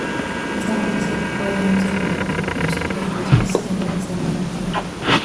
Esta noticia puede no ser buena para aquellos cuyas relaciones tienden a ser negativas.